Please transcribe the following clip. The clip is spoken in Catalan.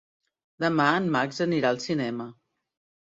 Demà en Max anirà al cinema.